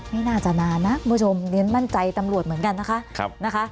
ไม่น่าจะนานนะมันมั่นใจตำรวจเหมือนกันนะคะ